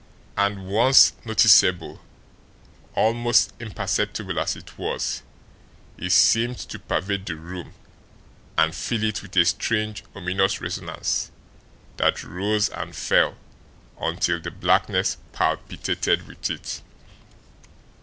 And, once noticeable, almost imperceptible as it was it seemed to pervade the room and fill it with a strange, ominous resonance that rose and fell until the blackness palpitated with it.